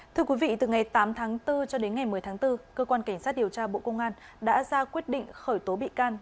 thưa quý vị từ ngày tám tháng bốn cho đến ngày một mươi tháng bốn cơ quan cảnh sát điều tra bộ công an đã ra quyết định khởi tố bị can